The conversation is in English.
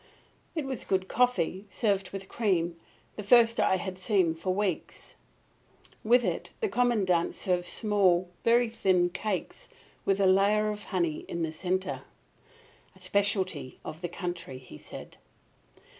It was good coffee, served with cream, the first I had seen for weeks. With it the Commandant served small, very thin cakes, with a layer of honey in the centre. "A specialty of the country," he said.